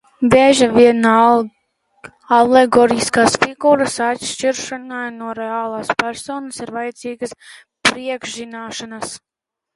Bieži vien alegoriskas figūras atšķiršanai no reālas personas ir vajadzīgas priekšzināšanas.